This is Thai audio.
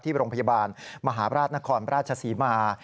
โรงพยาบาลมหาราชนครราชศรีมา